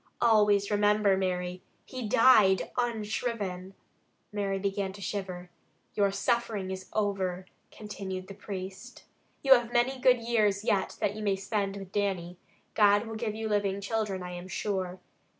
Always remember, Mary, he died unshriven!" Mary began to shiver. "Your suffering is over," continued the priest. "You have many good years yet that you may spend with Dannie; God will give you living children, I am sure.